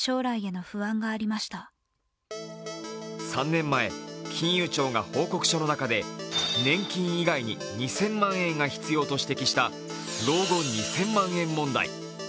３年前、金融庁が報告書の中で、年金以外に２０００万円が必要と指摘した老後２０００万円問題。